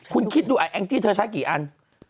คุณคิดดูแองจี้เธอใช้กี่อัน